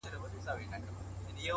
ماته زارۍ كوي چي پرېميږده ه ياره؛